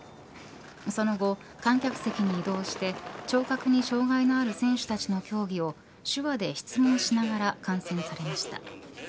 その後、観客席に移動して聴覚に障害のある選手たちの競技を手話で質問しながら観戦されました。